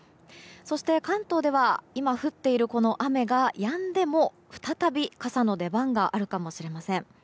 そして関東では今、降っているこの雨がやんでも再び傘の出番があるかもしれません。